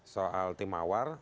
soal tim mawar